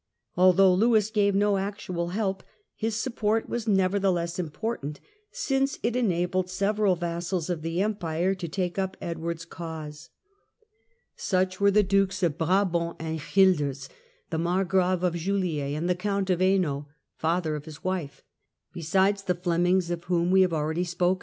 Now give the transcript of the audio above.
Although Lewis gave no actual help, his support was nevertheless important, since it enabled several vassals of the Empire to take up Edward's cause. Such were alliances FRENCH HISTORY, 1328 1380 133 the Dukes of Brabant and Guelders, the Margrave of Juliers, and the Count of Hainault, father of his wife, besides the Flemings of whom we have aheady spoken.